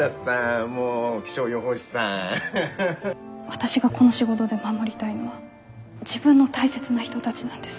私がこの仕事で守りたいのは自分の大切な人たちなんです。